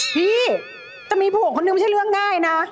พี่จะมีผู้หญิงคนนึงไม่ใช่เรื่องง่ายนะ